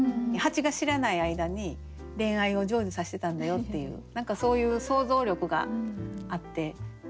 蜂が知らない間に恋愛を成就させてたんだよっていう何かそういう想像力があってかわいい歌ですよね。